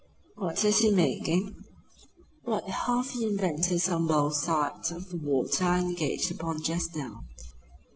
"What is he making?" "What half the inventors on both sides of the water are engaged upon just now.